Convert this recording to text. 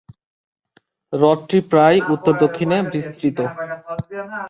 হ্রদটি প্রায় উত্তর-দক্ষিণে বিস্তৃত।